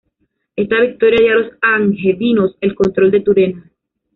Esta victoria dio a los angevinos el control de Turena.